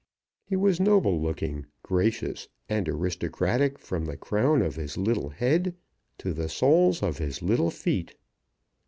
He was noble looking, gracious, and aristocratic from the crown of his little head to the soles of his little feet.